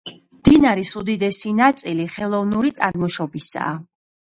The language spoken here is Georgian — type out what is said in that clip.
მდინარის უდიდესი ნაწილი ხელოვნური წარმოშობისაა.